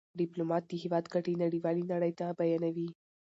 ډيپلومات د هېواد ګټې نړېوالي نړۍ ته بیانوي.